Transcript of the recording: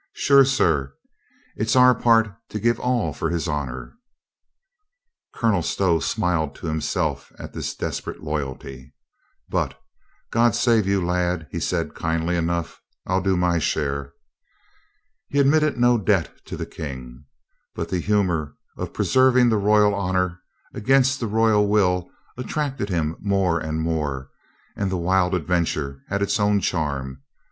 Sure, sir, it's our part to give all for his honor." Colonel Stow smiled to himself at this desperate loyalty. But, "God save you, lad," said he kindly 366 COLONEL GREATHEART enough. "I'll do my share." He admitted no debt to the King, But the humor of preserving the royal honor against the royal will attracted him more and more and the wild adventure had its own charm.